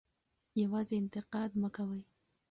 یوازې انتقاد مه کوئ.